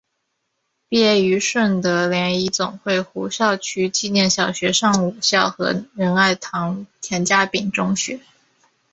毕业于顺德联谊总会胡少渠纪念小学上午校和仁爱堂田家炳中学。